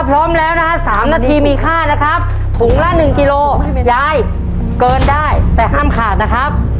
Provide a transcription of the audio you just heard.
พร้อมแล้วนะฮะ๓นาทีมีค่านะครับถุงละ๑กิโลยายเกินได้แต่ห้ามขาดนะครับ